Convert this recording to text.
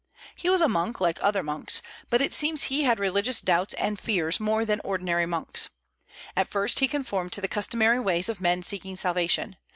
He was a monk, like other monks; but it seems he had religious doubts and fears more than ordinary monks. At first he conformed to the customary ways of men seeking salvation.